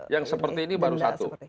yang seperti ini baru satu